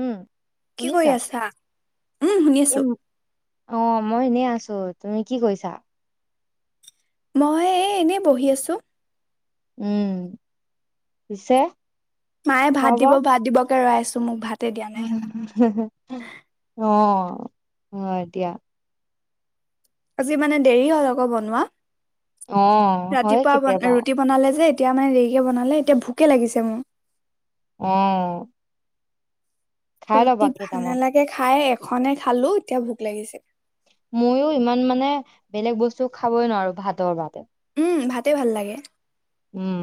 উম কি কৰি শুনিছা আছা? উম শুনি এ আছো। ম- অ মই এনেই আছো। তুমি কি কৰিছা? মই এই এনেই বহি আছো। উম, পিছে? মায়ে খোৱা ভাত দিব বোৱা ভাত দিব ৰৈ আছো মোক ভাত অ'। হয় দিয়া। আজি মানে দেৰি হ'ল আকৌ বনোৱা। অ হয় ৰাতিপুৱা বন কেতিয়াবা ৰুটি বনালে যে এতিয়া মানে দেৰিকে বনালে, এতিয়া ভোকে লাগিছে মোৰ। অ'। খাই ল'বা ৰুটি ভাল কেইটামান নালাগে খাই খনে খালো এতিয়া ভোক লাগিছে। মইও ইমান মানে বেলেগ বস্তু খাবই নোৱাৰো ভাতৰ বাদে। উম, ভাতে ভাল লাগে। উম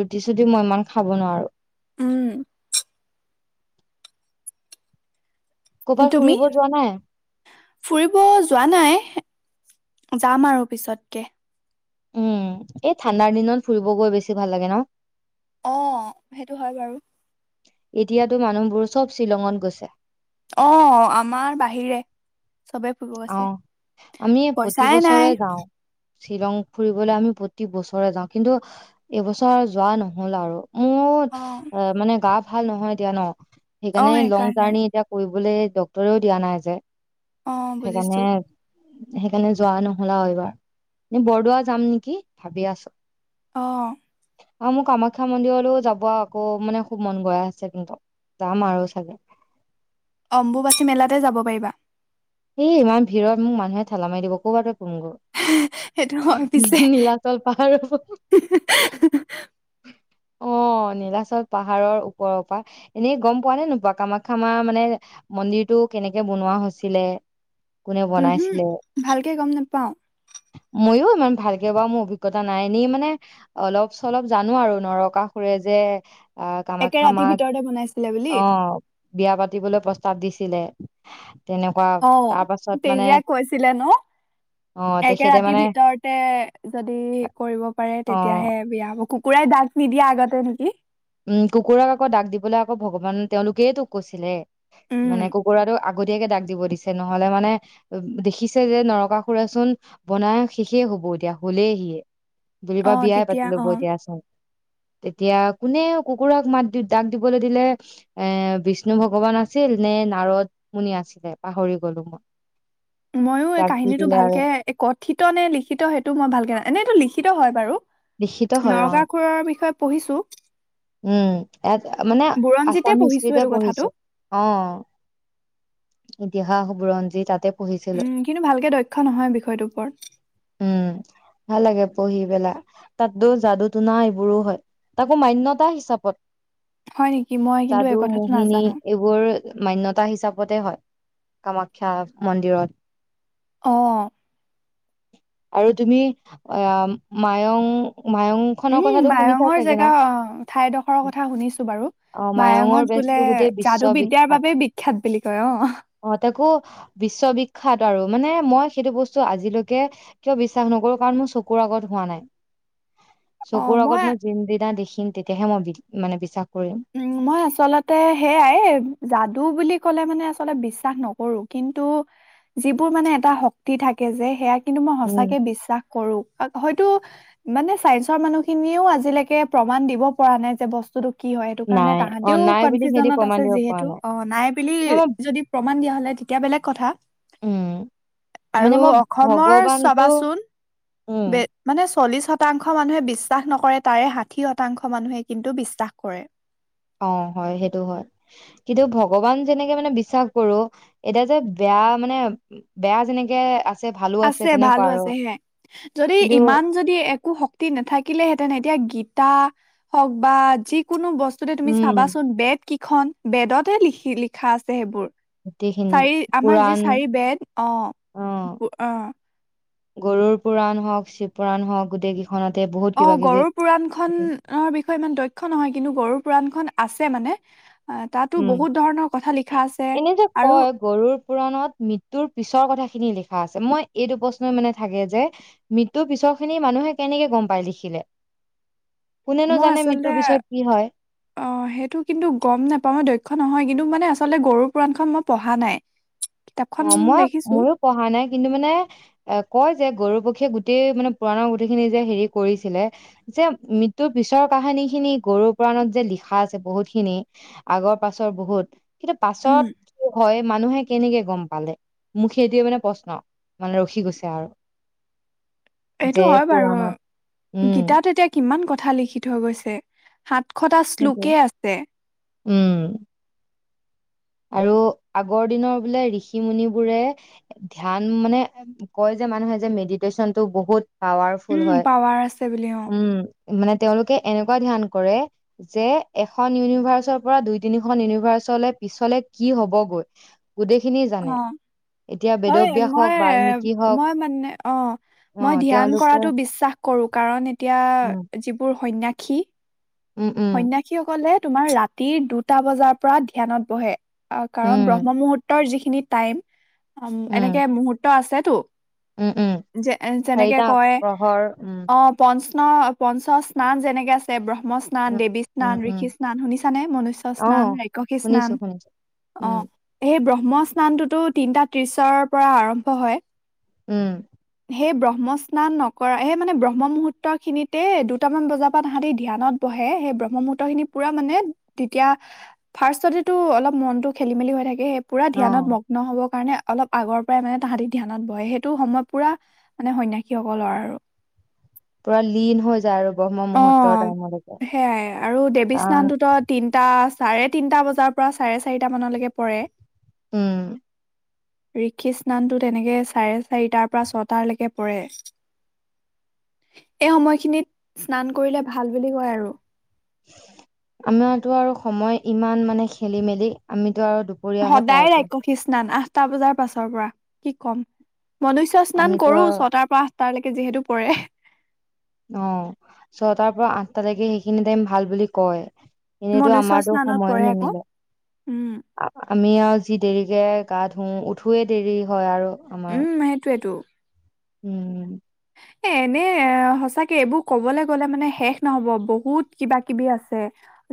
ৰুটি চুটি মই ইমান খাব নোৱাৰো। উম। ক'ৰবাত তুমি? ফুৰিব যোৱা নাই ফুৰিব যোৱা নাই। যাম আৰু পিছতকে। উম এই ঠাণ্ডাৰ দিনত ফুৰিব গৈ বেছি ভাল লাগে ন? অ, সেইটো হয় বাৰু। এতিয়াতো মানুহবোৰ চব শ্বিলঙত গৈছে। অ, আমাৰ বাহিৰে চবে ফুৰিব অ। গৈছে। আমি পইচাই প্ৰতিবছৰে নাই যাও। শ্বিলং ফুৰিবলে আমি প্ৰতি বছৰে যাওঁ, কিন্তু এইবছৰ যোৱা নহল আৰু। মোৰ অ মানে গা ভাল নহয় দিয়া, ন? অ', সেইকাৰণে লং সেইকাৰণে জাৰ্ণি এতিয়া কৰিব বোলে ডক্টৰেও দিয়া নাই যে। অ', বুজিছো। সেইকাৰণে সেইকাৰণে যোৱা নহল আৰু এইবাৰ। এ বৰদোৱা যাম নেকি ভাবি আছো। অ' আৰু মোৰ কামাখ্যা মন্দিৰলৈও যাব আকৌ মানে খুব মন গৈ আছে, কিন্তু যাম আৰু চাগে। অম্বুবাচী মেলাতে যাব পাৰিবা। এ ইমান ভিৰত মোক মানুহে ঠেলা মাৰ দিব, কবাত সেইটো হয় পিছে। নীলাচল পাহাৰৰ অ, নীলাচল পাহাৰৰ ওপৰৰ পৰা। এনেই গম পোৱা নে নোপোৱা কামাখ্যা মা মানে মন্দিৰটো কেনেকে বনোৱা হৈছিলে? কোনে উমহু, বনাইছিলে ভালকে গম নাপাওঁ। মইও ইমান ভালকে বাৰু মোৰ অভিজ্ঞতা নাই এনেই মানে অলপ চলপ জানো আৰু নৰকাসুৰে যে আহ একে কামাখ্যা ৰাতিৰ মাক ভিতৰতে বনাইছে অ বিয়া পাতিবলৈ প্ৰস্তাৱ দিছিলে তেনেকুৱা অ তাৰ পাছত মানে তেতিয়াই কৈছিলে ন অ', একে তেখেতে ৰাতিৰ মানে ভিতৰতে যদি কৰিব পাৰে অ', তেতিয়াহে বিয়া হব কুকুৰাই দাগ নিদিয়া আগতে নেকি উম কুকুৰাক আকৌ ডাক দিবলৈ আকৌ ভগৱান তেওঁলোকেই তো কৈছিলে উম, মানে কুকুৰাটো আগ আগতীয়াকে ডাক দিব দিছে নহলে মানে দেখিছে যে নৰকাসুৰে ছোন বনাই শেষেই হব এতিয়া হলেহিয়ে বিবা অ', বিয়াই পাতি তেতিয়া ল'ব অ'। এতিয়া চোন তেতিয়া কোনে কুকুৰাক মাত দি ডাক দিবলৈ দিলে এ বিষ্ণু ভগৱান আছিল নে নাৰদ মুনি আছিলে পাহৰি গলো মই ময়ো এই ডাক দি কাহিনীটো দিলে আৰু ভালকে এ কথিত নে লিখিত সেইটো মই ভালকে ন এনেটো লিখি লিখিত হয় বাৰু লিখিত হয় অহ নৰকাসুৰৰ বিষয়ে পঢ়িছোঁ। উম ইয়াত মানে বুৰঞ্জীতে আছাম পঢ়িছোঁ হিষ্ট্ৰিতে এইটো কথাটো। পঢ়িছো অহ ইতিহাস বুৰঞ্জী তাতে পঢ়িছিলো উম কিন্তু ভালকে দক্ষ নহয় বিষয়টোৰ ওপৰত পঢ়িবলৈ তাতো যাদু টনা এইবোৰো হয় তাকো মান্যতা হিচাপত হয় নেকি? মই কিন্তু এই যাদু কথাটো মোহিনী নাজানো। এইবোৰ মান্যতা হিচাপে তাতে হয় কামাখ্যা মন্দিৰত অঁ আৰু তুমি অ মা মায়ং মায়ং খনৰ উম কথাটো শুনিছা মায়ঙৰ চাগে ন জেগা অ ঠাইডখৰৰ কথা শুনিছো বাৰু অ মায়ঙৰ মায়ঙত বোলে বেজটো গোটেই যাদু বিদ্যাৰ বিশ্ববিখ্যাত বাবেই বিখ্যাত বুলি কয় অ বিশ্ববিখ্যাত আৰু মানে মই সেইটো বস্তু আজিলৈকে কিয় বিশ্বাস নকৰো কাৰণ মোৰ চকুৰ আগত হোৱা নাই চকুৰ আগত মই যিদিনা দেখি তেতিয়াহে মই মানে বিশ্বাস কৰিম উম মই আচলতে সেইয়াই যাদু বুলি ক'লে মানে আচলতে বিশ্বাস নকৰো কিন্তু যিবোৰ মানে এটা শক্তি থাকে যে সেয়া কিন্তু মই উম সঁচাকে বিশ্বাস কৰো কিন্তু মানে চাইন্সৰ মানুহখিনিয়েও আজিলৈকে প্ৰমাণ দিব পৰা নাই যে বস্তুটো কি কি হয় সেইটো কাৰণে নাই অ', তাহাঁতিও নাই বুলি সিহঁতি কনফিউজনত প্ৰমাণ আছে দিব যে পৰা এইটো অ নাই বুলি ন মই যদি প্ৰমান দিয়া হলে তেতিয়া বেলেগ কথা উম মানে আৰু মই অসমৰ ভগৱানটো চাবাচোন উম বে মানে চল্লিশ শতাংশ মানুহে বিশ্বাস নকৰে তাৰে ষাঠি শতাংশ মানুহে কিন্তু বিশ্বাস কৰে কৰে অ হয় সেইটো হয় কিন্তু ভগৱান যেনেকে মানে বিশ্বাস কৰো এতিয়া যে বেয়া মানে বেয়া যেনেকে আ আছে ভালো আছে হে যদি কিন্তু ইমান যদি একো শক্তি নাথাকিলে হেঁতেন এতিয়া গীতা হওক বা যিকোনো বস্তু স তুমি উম চাবাচোন বে কি খন বেদতে লিখি লিখা আছে সেইবোৰ গোটেইখিনি চাৰি আমাৰ যি পুৰাণ চাৰি বেত অ অ', অ গৰুৰ পুৰাণ হওক চিপুৰাণ হওক গোটেই কিু অ গৰুৰ পুৰাণ খনৰৰ বিষয়ে ইমান দক্ষ নহয় কিন্তু গৰু পুৰাণখনন আছে মানে আহ, তাতো উম বহুত ধৰণৰ কথা লিখা আছে এনে যে আৰু কয় গৰুৰ পুৰাণত মৃত্যুৰ পিছৰ কথা খিনি লিখে অ আছে মই এইটো প্ৰশ্নই মানে থাকে যে মৃত্যুৰ পিছৰ খিনি মানুহে কেনেকে গম পায় লিখিলে কোনেনো মই জানে মৃত্যুৰ আচলতে পিছত কি হয় অ সেইটো কিন্তু গম নাপাওঁ ম দক্ষ নহয় কিন্তু মানে আচলতে গৰুৰ পুৰাণখনন মই পঢ়া নাই অ কিতাপখন মই দেখিছো। ময়ো পঢ়া নাই কিন্তু মানে এ কয় যে গৰু প সেই গোটেই মানে পুৰাণৰ গোটেইখিনি যে হেৰি কৰিছিলে যে মৃত্যুৰ পিছৰ কাহিনী খিনি গৰুৰ পুৰাণত যে লিখা আছে বহুত খিনি আগৰ পাছৰ বহুত কিন্তু পাছত উম, হয় মানুহে কেনেকে গম পালে মোক সেইটোৱে মানে প্ৰশ্ন মানে ৰখি গৈছে আৰু যে এইটো হয় বাৰু পুৰাণত উম গীতাত এতিয়া কিমান কথা কথা লিখি থৈ গৈছে সাতশটা সেইটোৱে শ্লোকেই আছে উম আৰু আগৰ দিনৰ বোলে ঋষি মুনিবোৰে ধ্যান মানে কয় যে মানুহে যে মেডিটেশ্যনটো বহুত পাৱাৰফুল উম, হয় পাৱাৰ আছে বুলি অ'। উম মানে তেওঁলোকে এনে নেক ধ্যান কৰে যে এখন ইউনিভাৰ্চৰ পৰা দুই তিনিখন ইউনিভাৰ্চলে পিছলে কি হবগৈ গোটেইখিনি অ জানে এতিয়া হয় বেদব্যাস হওক মই বাল্মিকি হওক মই মানে অ অ মই ধ্যান তেওঁলোকে কৰাতো বিশ্বাস কৰো কাৰণ এতিয়া উম যিবোৰ সন্য়াসী উম উম সন্য়াসীসকলে তোমাৰ ৰাতিৰ দুটা বজাৰ পৰা ধ্যানত বহে আহ কাৰণ ব্ৰহ্ম উম মুহুৰৰ্তৰ যিখিন সেই টাইম উ উম এনেকে মুহূৰ্ত আছে ত উম উম যে যেনেকে চাৰিটা কয় প্ৰহৰ উম অ পনচ ন পঞ্চ স্নান যেনেকে আছে ব্ৰহ্ম স্নান উম দেৱী উম স্নান উম ঋষি স্নান শুনিছানে মনুস্য অ স্নান ৰাক্ষসী স্নান শুনিছো শুনিছো অ উম স মই স্নানটোতো তিনিটা ত্ৰিশৰ পৰা আৰম্ভ হয় উম সেই ব্ৰহ্ম স্নান নকৰা স মানে ব্ৰহ্ম মুহুৰ্ত খিনিতে দুটামান বজাৰ পৰা তাহতি ধ্যানত সেই ব্ৰহ্ম স্নান নকৰা সেই মানে ব্ৰহ্ম মূহুৰ্ত খিনিতে বহে সেই ব্ৰহ্ম মুূহুৰ্ত খিনি পুৰা মানে তেতিয়া ফাৰ্ষ্ট যদিটো অলপ মনতটো খেলি মেলি হৈ থাকে সেই পোৰা মানে অ ধ্যনত মগ্ন হ'ব কাৰণে অলপ আগৰ পৰাই মানে তাহাঁতি ধ্যানত বহে সেইটো সময় পুৰা মানে সন্যাসীসকলৰ আৰু পুৰা লীন হৈ যায় আৰু ব্ৰহ্ম অ মুহূৰ্তৰ টাইমলৈকে কাৰণ টা চাৰে তিনটা বজাৰ পৰা চাৰে চাৰিটা মানলৈকে পৰে উম ঋষি স্নানতটো তেনেকে চাৰে চাৰিটাৰ পৰা ছটালৈকে পৰে এই সময়খিনিত স্নান কৰিলে ভাল বুলি কয় আৰু আমাৰতো আৰু সময় ইমান মানে খেলি মেলি আমি সদায় ৰাক্ষসী স্নান আঁ সাট টা বজাৰ পাছৰ পৰা কি ক'ম মনুষ্যয় স্নান আমিতো কৰো আৰু ছটাৰ পৰা তাৰ লৈকে যিহেতু পৰে অ ছটাৰ পৰা আঠটালৈকে সেইখিনি টাইম ভাল বুলি কয় এনেতো মনুষ্য আমাৰতো স্নানত সময়ে পৰে আকৌ নিমিলে উম আমি আৰু যি দেৰিকে গা ধুও উঠোৱে দেৰি হয় আৰু আমাৰ উম সেইটোৱে এই তো উম এ এনে সঁচাকে এইবোৰ কবলৈ গলে মানে শেষ নহব বহুত কিবা কিবি আছে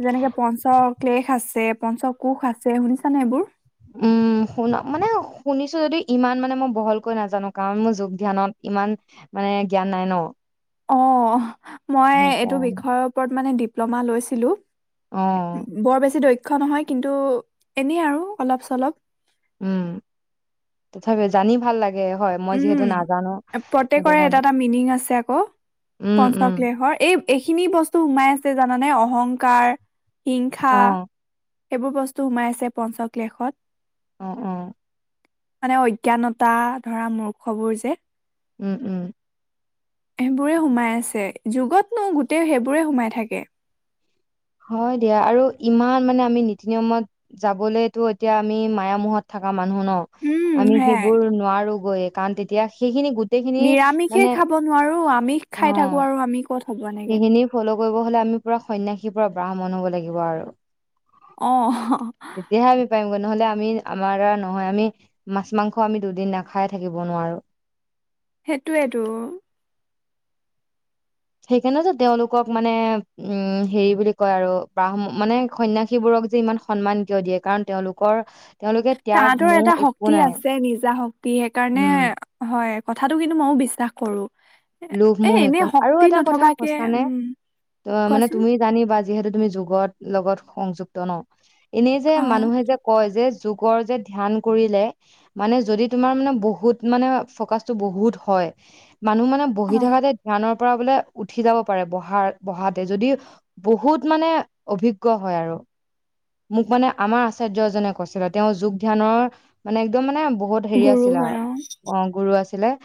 যেনেকে পঞ্চক ক্লেশ আছে পঞ্চ কোষ আছে শুনিছা নে এইবোৰ উম শুন মানে শুনিছো যদিও ইমান মানে মই বহলকৈ নাজানো কাৰণ মোৰ যোগ ধ্যানত ইমান মানে জ্ঞান নাই ন অ মই এইটো সেইকাৰণে বিষয়ৰ ওপৰত মানে ডিপ্লোমা লৈছিলোঁ অ বৰ বেছি দক্ষ দক্ষ নহয় কিন্তু এনেই আৰু অলপ চলপ উম তথাপি জানি ভাল লাগে হয় মই যিহেতু উম নাজানো সেইটো প্ৰত্যেকৰে এটা কাৰণে এটা মিনিং আছে আকৌ উম উম পঞ্চক্লেশৰ এই এইখিনি বস্তু সোমাই আছে জানানে অহংকাৰ শিক্ষা অ সেইবোৰ বস্তু সোমাই আছে পঞ্চ কেশত উ উম মানে অজ্ঞানতা ধৰা মূৰ্খবোৰ যে উম উম সেইবোৰে সোমাই আছে যুগত নো গোটেই সেইবোৰে সোমাই থাকে হয় দিয়া আৰু ইমান মানে আমি নীতি নিয়মত যাবলেতো এতিয়া আমি মায়া মুহত থকা মানুহ মানুহ উম ন আমি সেয়াই সেইবোৰ নোৱাৰো গৈ কাৰণ তেতিয়া সেইখিনি গোটেইখিনি নিৰামিষে মানে খাব নোৱাৰো আমিষ অ খাই থাকো আৰু আমি কত হ'ব এনেকে সেইখিনি ফ'ল' কৰিব হলে আমি পুৰা সন্যাসী কি পৰা ব্ৰাহ্মণ হব লাগিব আৰু অহ তেতিয়াহে আমি পাৰিমগৈ নহলে আমি আমাৰ দ্বাৰা নহয় আমি মাছ মাংস আমি দুদিন নাখাই থাকিব নোৱাৰো সেইটোৱেটো সেইকাৰণে যে তেওঁলোকক মানে উম হেৰি বুলি কয় আৰু ব্ৰাহ্ম মানে সন্যাসীবোৰক যে ইমান সন্মান কিয় দিয়ে কাৰণ তেওঁলোকৰ তেওঁলোকে ত্যাগ তাহাঁতৰ মোহ এটা একো শক্তি নাই আছে নিজা শক্তি সেইকাৰণে উম হয় কথাটো কিন্তু ময়োও বিশ্বাস কৰো এ লোভমোহ এনে একো আৰু শক্তি এটা কথা নথকাকে সঁচা নে উম আ মানে কোৱাচোন তুমি জানিবা যিহেতু তুমি যুগত লগত সংযুক্ত ন এনেই যে অ মানুহে যে কয় যে যুগৰ যে ধ্যান কৰিলে মানে যদি তোমাৰ মানে বহুত মানে ফকাচটো বহুত হয় মানুহ মানে অ বহি থকাতে ধ্যানৰ পৰা বোলে উঠি যাব পাৰে বহা বহাতে যদি বহুত মানে অভিজ্ঞ হয় আৰু মোক মানে আমাৰ আচাৰ্য এজনে কৈছিলে তেওঁ যোগ ধ্যানৰ মানে একদম মানে বহুত হেৰি আছিল আৰু অ গুৰু আছিলে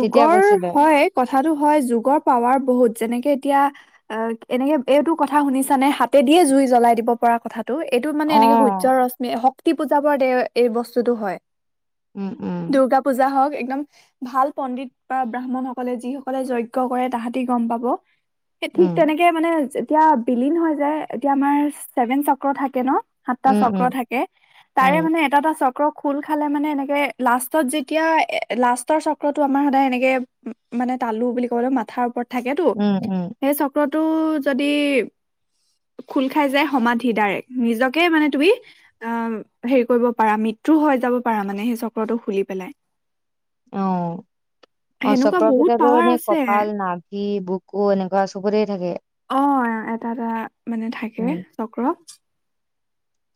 তেতিয়া কৈছিলে হয় কথাটো হয় যুগৰ পাৱাৰ বহুত যেনেকে এতিয়া এনেকে এইটো কথা শুনিছা নে হাতে দিয়ে জুই জ্বলাই দিব পৰা কথা টো এইটো মানে অ এনেকে সূৰ্য ৰশ্মি হক কি পূজাবোৰত এই এই বস্তুটো হয় উম উম দুৰ্গা পূজা হওক নম ভাল পণ্ডিত বা ব্ৰাহ্মণ সকলে যিসকলে যজ্ঞ কৰে তাহাঁতি গম পাব ঠিক উম তেনেকে মানে এতিয়া বিলিন হয় যে এতিয়া আমাৰ ছেভেন চক্ৰ থাকে ন সাতটা উম চক্ৰ উম থাকে তাৰে উম মানে এটা এটা চক্ৰ খ খোল খালে মানে এনেকে লাষ্টত যেতিয়া এ ৰ চক্ৰতটো আমাৰ সদায় এনেকে মানে তালু বুলি কোউ মথাৰ ওপৰত থাকেতো উম, উম, সেই চক্ৰত টো যদি খোল খাই যায় সমাধি ডাইৰেক্ নিজকে মানে তুমি আহ হেৰি কৰিব পাৰা মূতূ হৈ যাব পাৰা মানে সেই চক্ৰটো খুলি পেলাই অ অ সেনেকুৱা বহুত চক্ৰকেইতো পাৱাৰ এনেই আছে কপাল নাভি বুকু এনেকুৱা চবতে থাকে অ এটা এটা মানে থাকে চক্ৰ [unintelligible]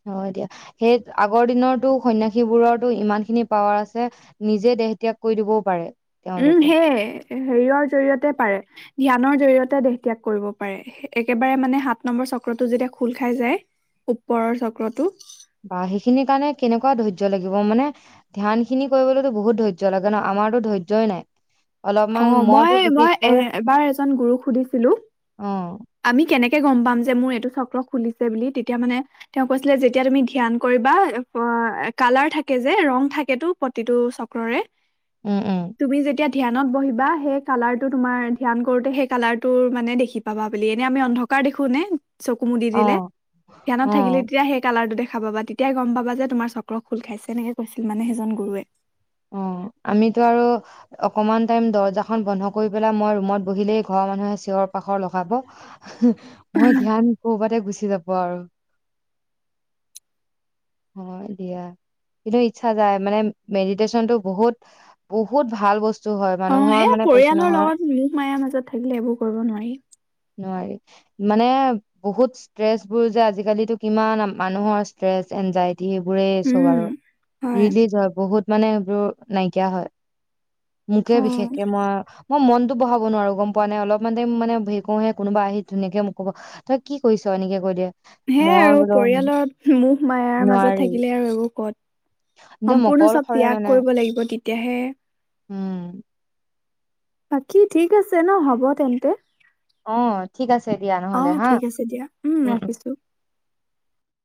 অ এতিয়া সেই আগৰ দিনৰতো সন্য়াসীবোৰৰো ইমান খিনি পাৱাৰ আছে নিজে দেহ ত্যাগ কৰি দিবও পাৰে উম তেওঁলোকে সেয় হেৰিৰ জৰিয়তে পাৰে টিয়াগ ন জৰিয়তে দেহ ত্যাগ কৰিব পাৰে একেবাৰে মানে সাত নম্বৰ চক্ৰতটো যেতিয়া খোল খাই যায় ওপৰৰ চক্ৰটো মো মানে ধ্যান খেটি কৰিবলৈ বহুত ধৈ্য লাগে ন আমাৰতো ধৈৰ্যয়ই নাই অ অলপমান মই মইতো মই এ বিশেষকৈ এবাৰ এজন গুৰুক সুধিছিলো অ', আমি কেনেকে গম পাম যে মোৰ এইটো চক্ৰ খুলিছে বুলি তেতিয়া মানে তেওঁ কৈছিলে যেতিয়া তুমি ধ্যান কৰিবা কালাৰ থাকে যে ৰং থাকেতো প্ৰতিটো চক্ৰৰে উম উম তুমি যেতিয়া ধ্যানত বহিবা সেই কালাৰটো তোমাৰ ধ্যান কৰোঁতে সেই কালাৰটো মানে দেখি পাবা বুলি এনে আমি অন্ধকাৰ দেখো নে চকু মোদি দিলে অ', ধ্নত থাকিলে অ', তেতিয়া সেই কালাৰটো দেখ খাবা তেতিয়াই গম পাবা যে তোমাৰ চক্ৰ খোুল খাইছে এনেকে কৈছিল মানে সেইজন গুৱে অ আমিতো আৰু অকমান টাইম দৰ্জাখন বন্ধ কৰি পেলাই মই ৰুমত বহিলেই ঘৰৰ মানুহে চিঞৰ পাখৰ লগাব মই ধ্যান কৰবাততে গুচি যাব আৰু হয় দিয়া কিন্তু ইচ্ছা যায় মানে মেডিটচনতটো বহুত বহুত ভাল বস্তু হয় অ মানুহৰ এ মানে কৈছো পৰিয়ালৰ নহয় লগত মোক মায়াৰ মাজত থাকিলে এইবোৰ কৰিব নোৱাৰি নোৱাৰি মানে বহুত ষ্ট্ৰেচ বোৰ যে আজিকালিো কিমান মানুহৰ ষ্ট্ৰেচ এনজাই সেইবোৰেই চব উম। আৰু হয় ৰিলিজ হয় বহুত মানে এইবোৰ নাইকিয়া হয় অ মোকে বিশেষকে মই মই মন বহাব নোৱাৰো গম পোৱা নাইলপমান ইম মানে ভেক কো হে কোনোবা আহি ধুনাকে মোক কব তই কি কৰিছ এনেকে কৈইদিয় হেয় আৰু পৰিয়ালৰ মুখ মায়াৰ মাজত নোৱাৰি থাকিলে আৰু এইবোৰ কত একদম সম্পূৰ্ণ চব অকলশৰে ত্যাগ মানে কৰিব লাগিব তেতিয়াহে উম বাকী ঠিক আছে ন হ'ব তেন্তে অ ঠিক আছে দিয়া নহ'লে আহ হা। ঠিক আছে দিয়া উম ৰাখিছো